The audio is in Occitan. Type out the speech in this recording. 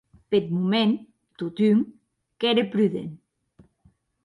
Peth moment, totun, qu’ère prudent.